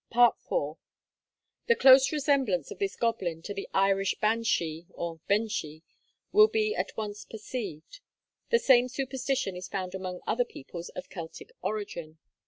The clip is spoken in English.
IV. The close resemblance of this goblin to the Irish banshee (or benshi) will be at once perceived. The same superstition is found among other peoples of Celtic origin.